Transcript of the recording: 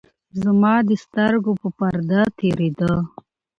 زمـا د سـترګو پـر پـردو تېـرېده.